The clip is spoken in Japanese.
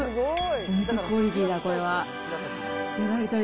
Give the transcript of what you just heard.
お店クオリティーだ、これは。